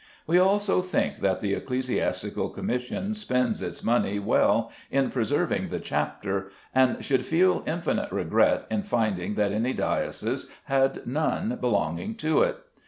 We also think that the Ecclesiastical Commission spends its money well in preserving the chapter, and should feel infinite regret in finding that any diocese had none belonging to it.